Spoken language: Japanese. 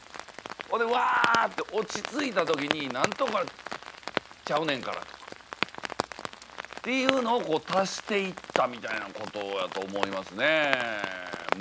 ほいでわって落ち着いた時に「何とかちゃうねんから」とかっていうのを足していったみたいなことやと思いますね。